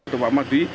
tổ báo ma túy